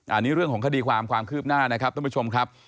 อันนี้เรื่องของคดีความความคืบหน้านะครับท่านผู้ชมครับ